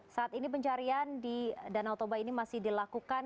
saat ini pencarian di danau toba ini masih dilakukan